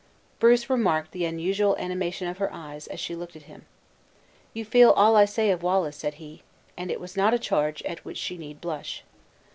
Bruce remarked the unusual animation of her eyes as she looked at him. "You feel all I say of Wallace," said he. And it was not a charge at which she need blush.